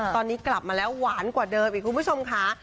ตอนนี้กลับมาแล้วหวานกว่าเดิมอีกคุณผู้ชมค่ะ